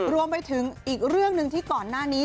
รวมไปถึงอีกเรื่องหนึ่งที่ก่อนหน้านี้